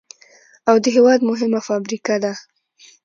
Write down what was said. او د هېواد مهمه فابريكه ده،